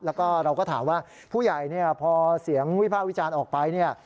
แล้วก็เราก็ถามว่าผู้ใหญ่เนี่ยพอเสียงวิพากษ์วิจารณ์ออกไปเนี่ย